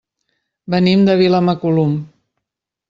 Venim de Vilamacolum.